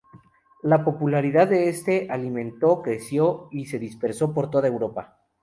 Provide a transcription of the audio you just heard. La popularidad de este alimento creció y se dispersó por toda Europa.